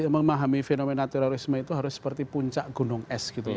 memahami fenomena terorisme itu harus seperti puncak gunung es gitu ya